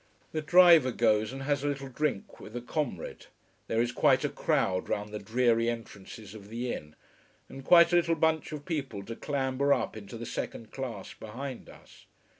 The driver goes and has a little drink with a comrade. There is quite a crowd round the dreary entrances of the inn. And quite a little bunch of people to clamber up into the second class, behind us.